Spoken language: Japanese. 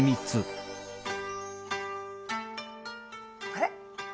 あれ？